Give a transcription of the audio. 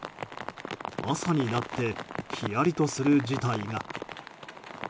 朝になってひやりとする事態が。